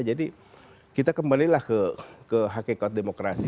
jadi kita kembalilah ke hakikat demokrasi